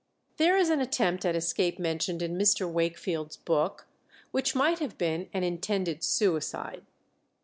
There is an attempt at escape mentioned in Mr. Wakefield's book, which might have been an intended suicide.